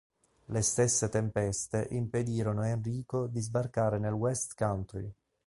Le stesse tempeste impedirono a Enrico di sbarcare nel West Country.